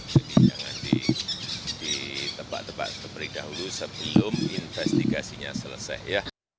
jadi jangan ditebak tebak terlebih dahulu sebelum investigasinya selesai